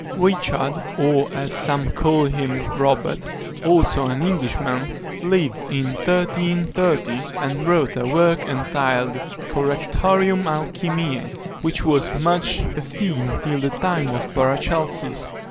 Richard, or, as some call him, Robert, also an Englishman, lived in 1330, and wrote a work entitled Correctorium Alchymiæ, which was much esteemed till the time of Paracelsus.